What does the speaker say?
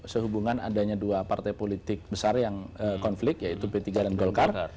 sehubungan adanya dua partai politik besar yang konflik yaitu p tiga dan golkar